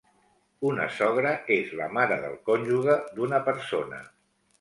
Una sogra és la mare del cònjuge d'una persona.